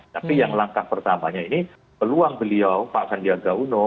tapi yang langkah pertamanya ini peluang beliau pak sandiaga uno